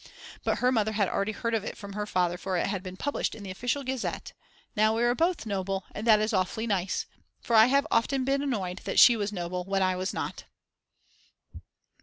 But her mother had already heard of it from her father for it had been published in the Official Gazette. Now we are both noble, and that is awfully nice. For I have often been annoyed that she was noble when I was not.